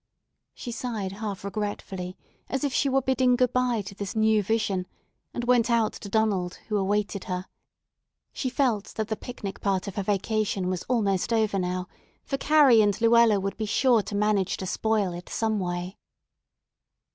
She sighed half regretfully, as if she were bidding good by to this new vision, and went out to Donald, who awaited her. She felt that the picnic part of her vacation was almost over now, for Carrie and Luella would be sure to manage to spoil it someway.